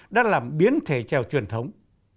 đã làm biến thể trèo truyền thống